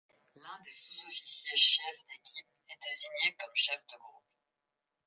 L'un des sous-officiers chef d'équipe est désigné comme chef de groupe.